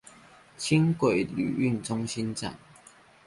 輕軌旅運中心站